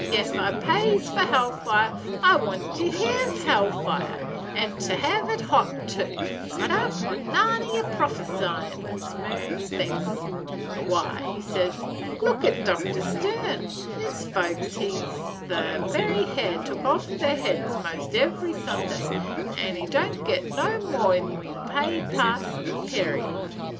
'Ef I pays for hell fire, I want to hev hell fire, and hev it hot too. I don't want none o' your prophesyin' smooth things. Why,' says he, 'look at Dr. Stern. His folks hes the very hair took off their heads 'most every Sunday, and he don't get no more 'n we pay Parson Perry.